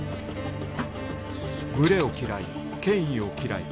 群れを嫌い権威を嫌い